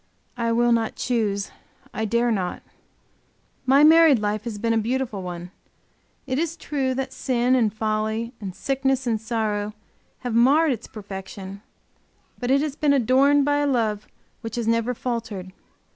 I will not choose, I dare not. My married life has been a beautiful one. It is true that sin and folly, and sickness and sorrow, have marred its perfection, but it has been adorned by a love which has never faltered.